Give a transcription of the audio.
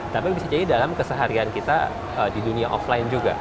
tapi bisa jadi dalam keseharian kita di dunia offline juga